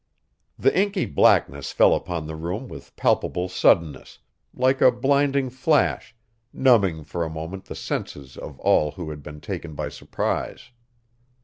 The inky blackness fell upon the room with palpable suddenness like a blinding flash, numbing for a moment the senses of all who had been taken by surprise.